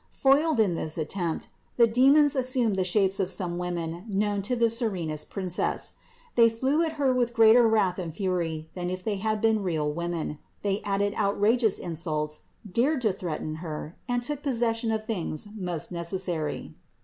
Foiled in this attempt, the demons as sumed the shapes of some women known to the serenest Princess. They flew at Her with greater wrath and fury than if they had been real women ; they added outrageous insults, dared to threaten Her, and took possession of things most necessary.